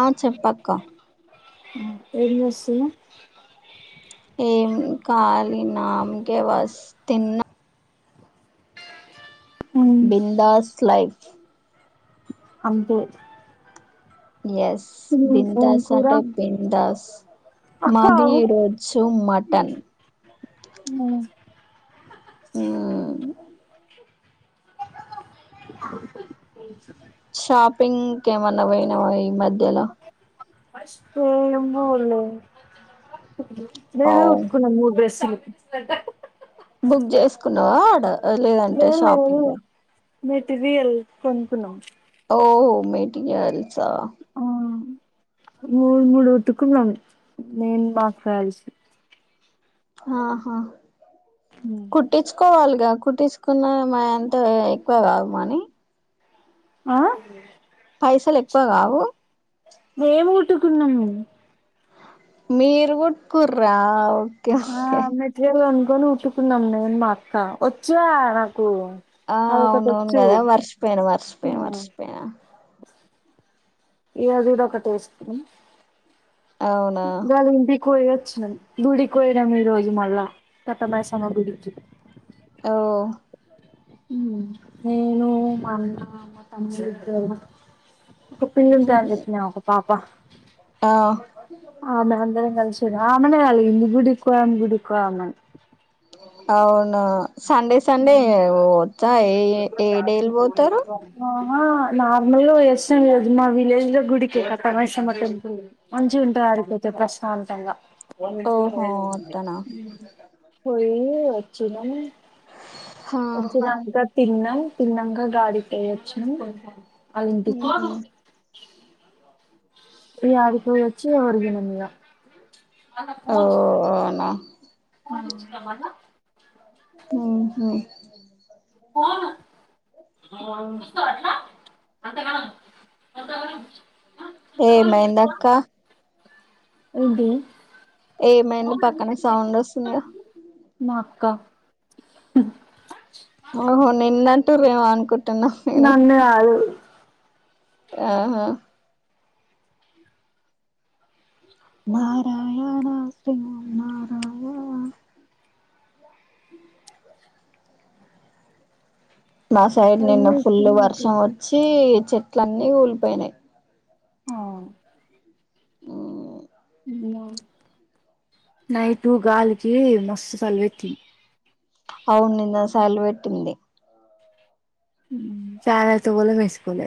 ఆ చెప్పక్క ఉ ఎంచేస్తున్నావ్ ఏం కాలి నామ్ కే వాస్తే తిన్నా ఉమ్ బిందాస్ లైఫ్ అంతే యస్ ఉమ్ ఏం బిందాస్ కూర అంటే బిందాస్ అక్క మాది ఆగు ఈ రోజ్జు మటన్ ఉ షాపింగ్ కి ఏమన్నా పోయినావా ఈ మధ్యలో ఏమోలే ఓ నేనే ఉట్కున్నా మూడ్ డ్రెస్లు ంట బుక్ చేసుకున్నావా ఆడ లేదంటే లేదు లేదు షాపింగా మెటీరియల్ కొనుక్కున్నాం ఓ మెటీరియల్సా ఆ మూడు మూడు ఉతుక్కున్నాం నేను మాకుయాల్సి ఆహా కుట్టిచు కోవాలిగా కుట్సుకున్న మా ఎంత ఎక్కువ కాదు మనీ ఆ పైసలు ఎక్కువ కావు మేము కుట్టుకున్నాం మీరు కొట్టు కుర్రా ఓ ఆ మెటీరియల్ కొనుకొని కుట్టుకున్నాం నేను మా అక్క వచ్చా [unintelligible] ఆ అదొకటి అవునవును వచ్చు కదా మర్చిపోయాను మర్చిపోయాను మర్చిపోయాను ఏదిదో ఒకటి ఏసుకొని అవునా [unintelligible] కోయ వచ్చిన గుడి కోయనాము ఈ రోజు మళ్ళా పెత్త మైసమ్మ గుడికి ఓ హ్మ్ నేను మా అన్న మా తమ్ముడు ఒక పిల్లి ఉంటది ఒక పాప ఆ ఆ మేము అందరం కలిసి చూడు ఆమెనే కదా గుడికి పోదాం గుడికి పోదాం అని అవును సండే సండే పోవచ్చా ఏ ఏ డేలు పోతారు ఆ నార్మల్ గా ఇష్టం లేదు మా విలేజ్ లో గుడికి కట్ట మైసమ్మ టెంపుల్ మంచిగా ఉంటాది ఆడికొస్తే ప్రశాంతంగా ఓహో అట్టనా పోయి వచ్చినాను హా వచ్చాక తిన్నా తిన్నాక గాడికిపోయొచ్చానా వాళ్ళింటికి ఉమ్. యాడికి పోయి వచ్చి ఓ [unintelligible] అవునా ఇంకా మల్ల ఉమ్మ్ పోను [unintelligible] ఏమైంది అక్క ఏంది ఏమైంది పక్కన సౌండ్ వస్తుందా మా అక్క ఓహో [unintelligible] నన్న కాదు ఆ హా నారాయణ శ్రీ ఓం నారాయణ ఉ మా సైడ్ నిన్న ఫుల్ వర్షం వచ్చి చెట్లన్నీ కూలిపోయినాయి ఆ హా ఆ నైటు గాలికి మస్తు చలి పట్టింది అవును నిన్న సలీ పెట్టింది. ఉమ్ చాలా తువాలు మేసిపోలే.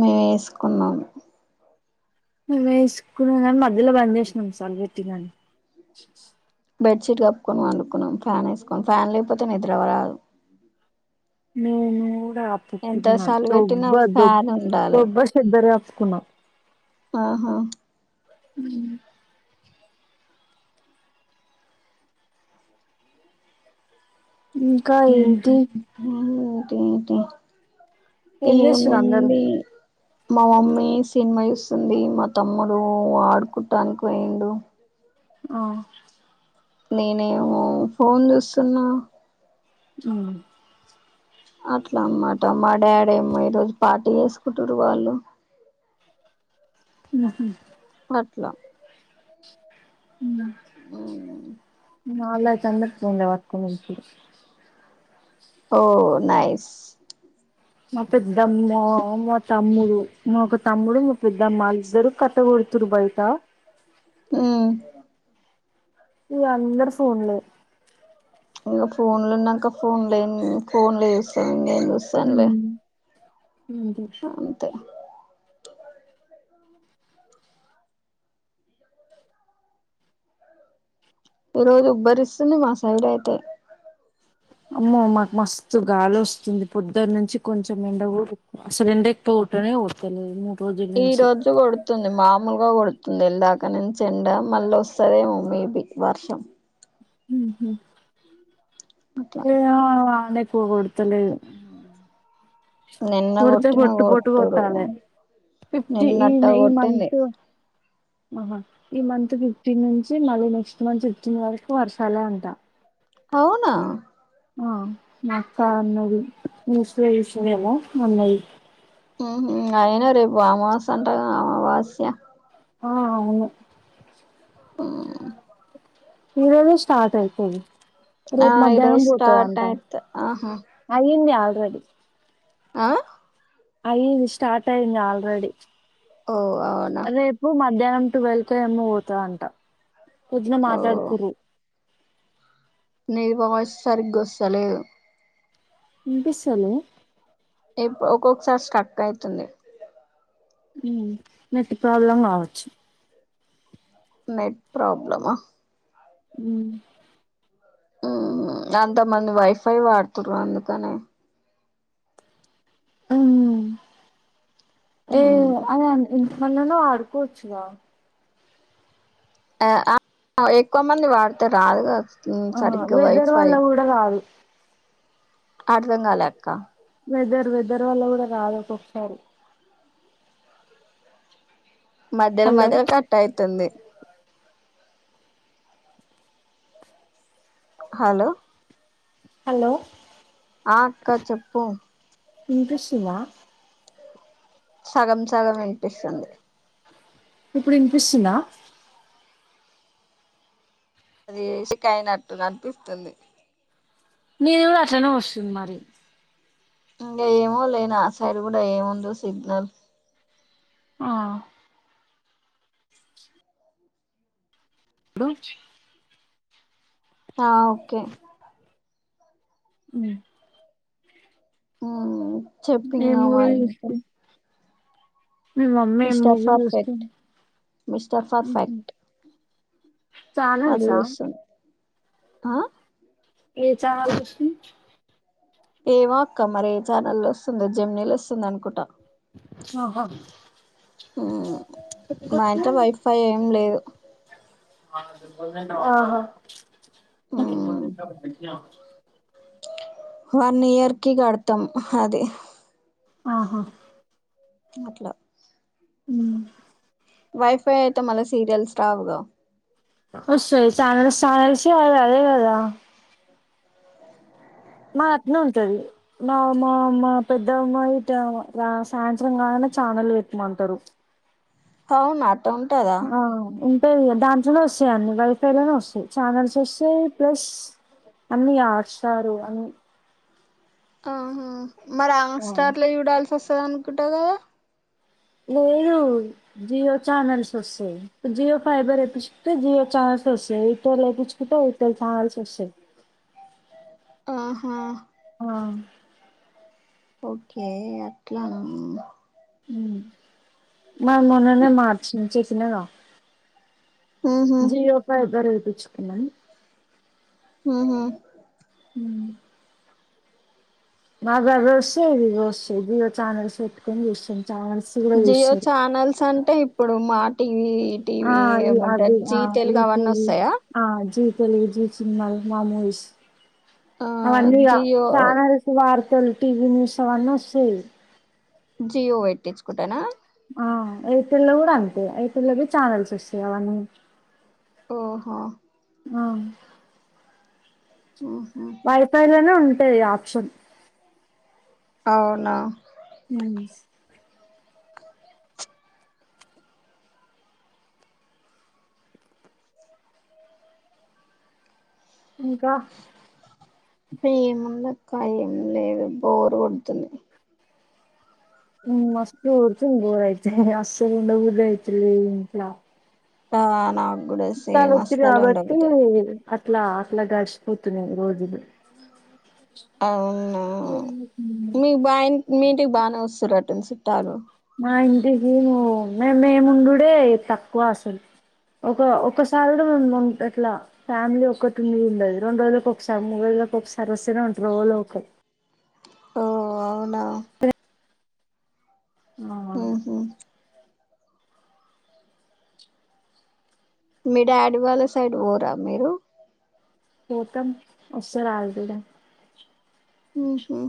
మేము ఎసుకున్నాము. మేము ఎసుకున్నాం, మధ్యలో బంద్ చేసినాం సలీపేట్టింది అనీ. బెడ్ షీట్ కప్పుకొని పండుకున్నాం ఫ్యాన్ ఎసుకొని. ఫ్యాన్ లేకపోతే నిద్రవరాదు. నేను కప్పుకున్నామ్, సార్లు పెట్టినా దొబ్బ దోబ్ ఫ్యాన్ ఉండాలి దొబ్బ చద్దర్ కప్పుకున్నాం. ఆహా ఉమ్ ఏంటి [unintelligible] ఏటెటి ఏం చేస్తుర్రు అందరూ ఏముంది మా మమ్మీ సినిమా జుస్తుంది, మా తమ్ముడు ఆడుకుంటానికి పోయిండు. ఆ నేనేమో ఫోన్ జుస్తున్నా. ఉమ్ అట్లా అన్నమాట. మా డాడీ ఏమో ఈరోజు పార్టీ చేసుకుంటూర్రు వాళ్ళు. ఉహు అట్లా ఉమ్ ఉమ్మ్ మా వొళ్ళు ఐతే అందరూ [unintelligible] ఉరికిన్రూ. ఓ నైస్. మా పెద్దమ్మ, మా తమ్ముడు మా ఒక తమ్ముడు, మా పెద్దమ్మ అలిద్దరు కట్టే గోడ్ [unintelligible] బయట. ఉమ్ ఇగ అందరు ఫోన్లే. ఇగా ఫోన్లు ఉన్నంక ఫోన్లే, ఎన్ ఫోన్లు జుస్తాం ఇంగేమ్ జుస్తాంలే. అంతే అంతే. ఈ రోజు ఉబ్బరిస్తుంది, మా సైడ్ అయితే. అమ్మో మాకు మస్తు గాలి ఓస్తుంది పొద్దుటినుంచి కొంచెం ఎండ గుడా, అసలు ఎండ ఎక్కువో కొట్టనే కోడ్తలేదు. ఈ రోజు గోడ్త్ తుంది మామలుగా గొడుతుంది ఇందాక నుంచి ఎండ, మళ్ళ వస్తదేమో మేబి వర్షం. ఉహుమ్ [unintelligible] అట్లా ఎండ ఎక్కువ గొడ్తలేదు. నిన్న కోడ్తే కొట్టిన పొట్టు, పోట్టు కొట్టుడు గొట్టాలే. ఫిఫ్టీన్ నిన్నట్ట ఇన్ ఈ కొట్టింది మంత్. ఓహో ఈ మంత్ ఫిఫ్టీన్ నుంచి, మళ్ళీ నెక్స్ట్ మంత్ ఫిఫ్టీన్ వరకు వర్షాలే అంటా. అవునా. ఆ మా అక్క అన్నది, ముస్రు వేస్తాదేమో మన్నది. ఉహుమ్ అయిన రేపు అమావాస అంట కదా అమావాస్య. ఆ అవును. ఉమ్మ్ ఈరోజే స్టార్ట్ అయిపోయింది. ఆ రేపు మధ్యాహ్నం ఈరోజు పోతాది స్టార్ట్ అంట, అయిత ఆహా అయ్యింది ఆల్రెడీ. ఆ అయ్యింది స్టార్ట్ అయ్యింది ఆల్రెడీ ఓ అవునా డామ్ టువల్ కో ఏమో పోతాదంట పొద్దున ఓ మాట్లాడుకుర్రు నీ వాయిస్ సరిగ్గా వస్తలేదు వినిపిస్తోందా ఇప్ ఒక్కొక్కసారి స్టక్ అయితుంది ఉమ్ నెట్ ప్రాబ్లం కావచ్చు నెట్ ప్రాబ్లమా ఉమ్ ఉ అంతమంది వైఫై వాడుతున్నారు అందుకనే ఉమ్ ఏ ఉమ్. అదే మన్ననో ఆడుకోవచ్చుగా ఆ ఎక్కువ మంది వాడితే రాదు కదా ఆ సరిగ్గా వెదర్ వైఫై వల్ల కూడా రాదు అర్ధంగాలా అక్క వెదర్ వెదర్ వల్ల కూడా రాదు ఒక్కొక్కసారి మధ్యలో హలో మధ్యలో కట్ అయితుంది హలో హలో ఆ అక్క చెప్పు వినిపిస్తుందా సగం సగం వినిపిస్తుంది ఇప్పుడు వినిపిస్తుందా అది ఏసిక్ అయినట్టు కనిపిస్తుంది నీది కూడా అట్లనే వస్తుంది మరి ఇంకా ఏమో లే నా సైడ్ కూడా ఏముందో సిగ్నల్ ఆ ఇప్పుడు ఆ ఓకే ఉమ్ ఉమ్ ఏ చెప్పింగా మూవీ మరి ఇంకా చూస్తు మీ మమ్మీ ఏమో మిస్టర్ మూవి పర్ఫెక్ట్ చూస్తుంది మిస్టర్ ఉహూ పర్ఫెక్ట్ అది చానల్సా వస్తుంది ఆ ఏ చానల్ చూస్తుంది ఏమో అక్క మరి ఏ ఛానల్లో వస్తుందో జెమినిలో వస్తుంది అనుకుంటా ఆహా ఉమ్ మా ఇంట్లో వైఫై ఏం లేదు ఆహా వన్ ఇయర్ కి కడతాం అది ఆహా అట్ల ఉమ్ వైఫై అయితే మళ్ళ సీరియల్స్ రావుగా వస్తాయ్ చానల్స్ చానల్స్ ఏ అది అదే కదా మా అట్నే ఉంటది మా మా మా పెద్ద అమ్మాయి సాయంత్రం కాగా ఛానల్లు పెట్మంటారు అవునా ఆ పె దాంట్లోనే వస్తాయి అడి వైఫై లోనే వస్తాయి ఛానల్స్ వస్తాయి ప్లస్ అన్నీ అస్టారు అన్ని ఆహ మరి ఆంగ్ ఆ స్టార్లో చూడాల్సి వస్తది అనుకుంటా కదా లేదు జియో ఛానల్స్ వస్తాయి జియో ఫైబర్ ఏపిస్తే జియో ఛానల్ వస్తాయి ఇట్టొల్లేపిచ్చుకుంటే ఎయిర్టెల్ చానల్స్ వస్తాయి [inaudible] ఆహా ఆ ఓకే అట్లనా మ మొన్ననే మార్చి చెప్పినగా ఉహు జయో ఫైబర్ ఏపిచ్చుకున్నా హు హ్మ్మ్ మాకు అవి వస్తాయి ఇవివీ వస్తాయి జియో చానల్స్ పెట్టుకొని చూస్తాం ఛానల్స్ కూడా జియో చూస్తారు ఛానల్స్ అంటే ఇప్పుడు మా టీవీ ఆ టీవీ అవి అవి ఏమంటారు జీ ఆ తెలుగు అది అవన్నీ వస్తాయా ఆ జీ తెలుగు జి సినిమా మా మూవీస్ ఆ అవన్నీ ఇగ జియో ఛానల్ మార్ తెల్ టీవి న్యూస్ అవన్నీ వస్తాయ్ జియో పెట్టించుకుంటానా ఆ ఎయిర్టెల్ లో కూడా అంతే ఐటల్లో కూడ ఛానల్స్ వస్తాయి అవన్నీ ఓహో అ ఓ వైపాయిలోనే ఉంటాయి ఆప్షన్ అవునా నీమ్స్ ఇంకా ఏముంది అక్క ఏం లేదు బోరు కొడుతుంది మస్తు కొడుతుంది ఇవి అయితే అస్సలు ఉండబుద్ధి అయితలేదు ఇంట్లా తానం చుట్టాలు వచ్చేర్రు కాబట్టి అట్లా అట్లా గడిచిపోతున్నాయి రోజులు అవునా మీకు బా మీ ఇంటికి బాగా వస్తారు అంటుంది చట్టాలు మా ఇంటికి నువ్వు మే మేముండుడే తక్కువ అసలు ఒక ఒకక్కసారి కూడా మేం మ అట్లా ఫ్యామిలీ ఒక్కటి ము ఉండది రెండు రోజులకొకసారి మూడు రోజుల రోజుల ఒకసారి వస్తూనే ఉంటారు ఓవోలోఒకలు [inaudible] ఓ అవునా ప్రదీప్ ఓహో మీ డాడీ వాళ్ళ సైడ్ పోరా మీరు పోతం వస్తారు వాళ్లు కూడా ఉహు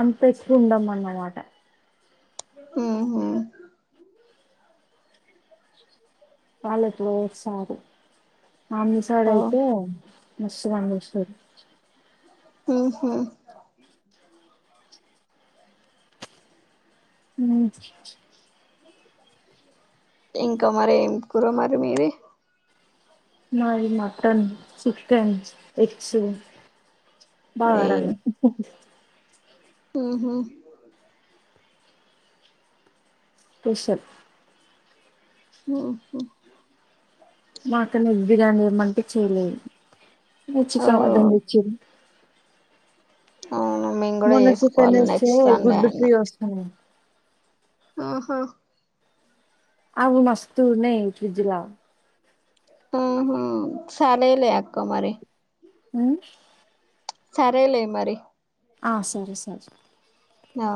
అంత తెచ్చి ఉండమ అన్నమాట ఉహు వాళ్ళతో ఒసారు మామిసడ ఓ అయితే మస్త్ అనిపిస్తుంది ఉహు ఉ ఇంకా మరి ఏం కుర మరి మీది మాది మటన్ చికెన్ ఎగ్స్ ఏయ్ బంగారన్నం ఉహు ఉషప్ ఉహు మా అక్కని బిర్యానీ చెయ్యమంటే చేయలేదు ఓ చికెన్ మటన్ తెచ్చిరు అవును మేము కూడా మొన్న చికెన్ చేసుకోవాలి తెస్తే నెక్స్ట్ సండే గుడ్డు అన్న ఫ్రై వస్తుంది ఆహా ఆవు మస్తు ఉన్నాయి ఫ్రిజ్ల ఉహు సరేలే అక్క మరి ఉ సరేలే మరి ఆ సరే సరే ఆ